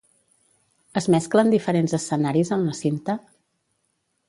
Es mesclen diferents escenaris en la cinta?